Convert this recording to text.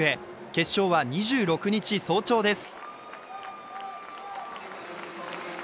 決勝は２６日早朝です。